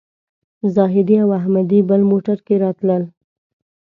زاهدي او احمدي بل موټر کې راتلل.